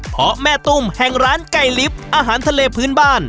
เพราะแม่ตุ้มแห่งร้านไก่ลิฟต์อาหารทะเลพื้นบ้าน